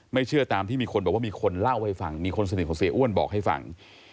เชื่อตามที่มีคนบอกว่ามีคนเล่าให้ฟังมีคนสนิทของเสียอ้วนบอกให้ฟัง